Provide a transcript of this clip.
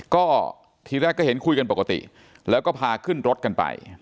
ก็ทีแรกก็เห็นคุยกันปกติแล้วก็พาขึ้นรถกันไป